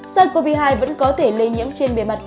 sars cov hai vẫn có thể lây nhiễm trên bề mặt